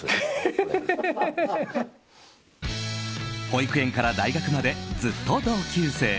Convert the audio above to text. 保育園から大学までずっと同級生。